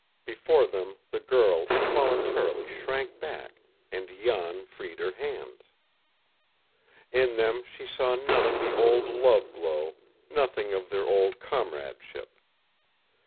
Before them the girl involuntarily shrank back, and Jan freed her hands. In them she saw none of the old love glow, nothing of their old comradeship.